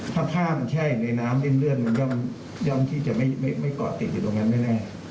ถ้าผ้ามันแช่อยู่ในน้ำริ่มเลือดมันย่อมที่จะไม่เกาะติดอยู่ตรงนั้นแน่